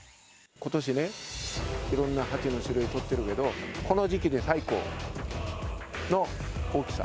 ことしね、いろんなハチの種類取ってるけど、この時期で最高の大きさ。